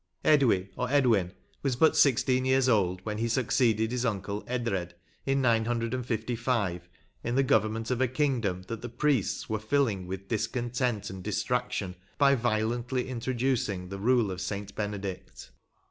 Edwy, or Edwin, was but sixteen years old when he succeeded his uncle Edred, in 955, in the government of a kingdom that the priests were filling with discontent and distraction by violently introducing the rule of St. Benedict.